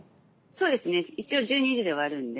そうですね一応１２時で終わるんで。